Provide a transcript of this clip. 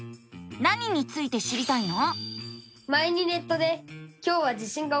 何について知りたいの？